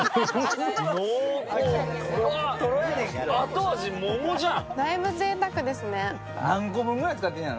後味、桃じゃん。